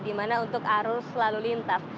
di mana untuk arus lalu lintas